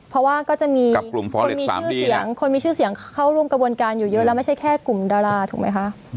เพราะว่าก็จะมีคนมีชื่อเสียงคนมีชื่อเสียงเข้าร่วมกระบวนการอยู่เยอะแล้วไม่ใช่แค่กลุ่มดาราถูกไหมคะ